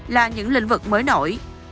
là những lĩnh vực mới nổi